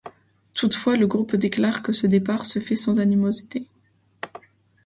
Toutefois le groupe déclare que ce départ se fait sans animosité.